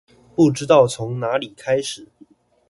不知道從哪裡開始